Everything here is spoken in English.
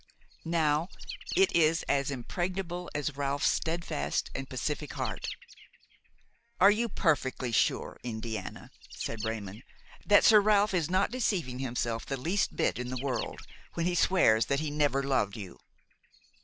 Now it is as impregnable as Ralph's steadfast and pacific heart." "Are you perfectly sure, Indiana," said Raymon, "that Sir Ralph is not deceiving himself the least bit in the world when he swears that he never loved you?"